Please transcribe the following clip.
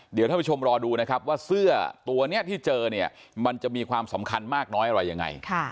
เดี๋ยวท่านผู้ชมรอดูนะครับว่าเสื้อตัวนี้ที่เจอเนี่ยมันจะมีความสำคัญมากน้อยอะไรยังไง